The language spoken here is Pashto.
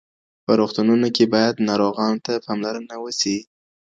په روغتونونو کي باید ناروغانو ته پاملرنه وسي.